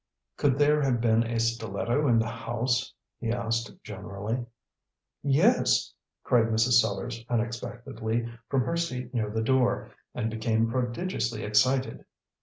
"Could there have been a stiletto in the house?" he asked generally. "Yes!" cried Mrs. Sellars unexpectedly, from her seat near the door, and became prodigiously excited.